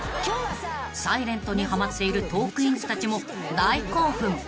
［『ｓｉｌｅｎｔ』にはまっているトークィーンズたちも大興奮］